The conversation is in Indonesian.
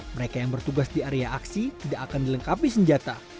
mereka yang bertugas di area aksi tidak akan dilengkapi senjata